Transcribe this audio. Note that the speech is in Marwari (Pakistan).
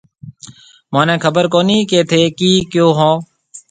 مهونَي خبر ڪهوني ڪيَ ٿَي ڪِي ڪهيو هون۔